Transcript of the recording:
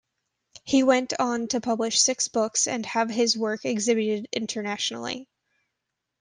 He went on to publish six books and have his work exhibited internationally.